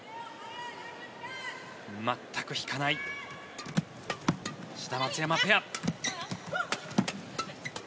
全く引かない志田・松山ペア。